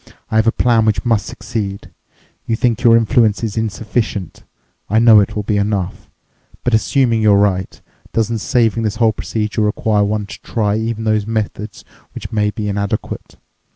"I have a plan which must succeed. You think your influence is insufficient. I know it will be enough. But assuming you're right, doesn't saving this whole procedure require one to try even those methods which may be inadequate?